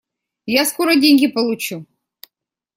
Я скоро деньги получу.